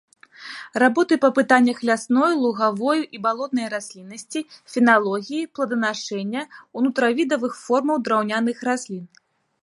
Работы па пытаннях лясной, лугавой і балотнай расліннасці, феналогіі, плоданашэння, унутрывідавых формаў драўняных раслін.